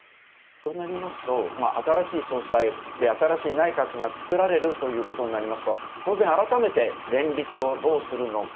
となりますと、新しい総裁、新しい内閣が作られるということになりますと当然、改めて連立をどうするのか。